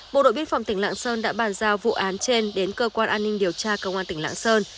bộ đội biên phòng tỉnh lạng sơn đã bàn giao vụ án trên đến cơ quan an ninh điều tra công an tỉnh lạng sơn